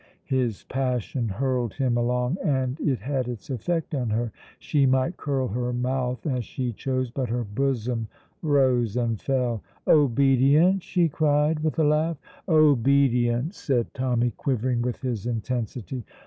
His passion hurled him along, and it had its effect on her. She might curl her mouth as she chose, but her bosom rose and fell. "Obedient?" she cried, with a laugh. "Obedient!" said Tommy, quivering with his intensity.